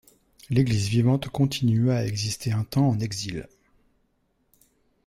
L'Église vivante continua à exister un temps en exil.